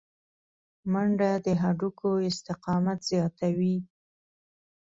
منډه د هډوکو استقامت زیاتوي